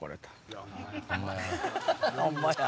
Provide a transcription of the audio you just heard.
ホンマや。